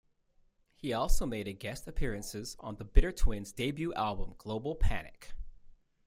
He also made a guest appearances on The Bitter Twins debut album Global Panic!